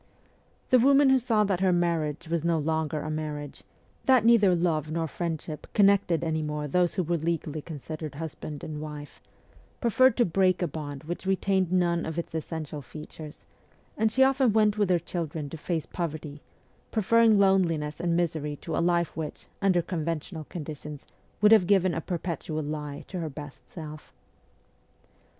The woman who saw that her marriage was no longer a marriage that neither love nor friendship connected any more those who were legally considered husband and wife preferred to break a bond which retained none of its essential features ; and she often went with her children to face poverty, preferring loneliness and misery to a life which, under conventional conditions, would have given a perpetual lie to her best self.